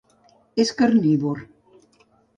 És carnívor.